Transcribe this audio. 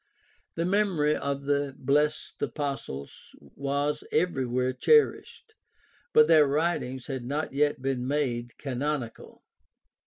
The memory of the blessed apostles was everywhere cherished, but their writings had not yet been made canonical.